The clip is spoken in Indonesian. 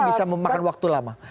kalau saya kata kemarin pertama jelas